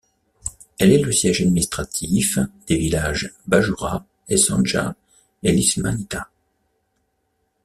Elle est le siège administratif des villages Bajura, Eșanca et Lișmănița.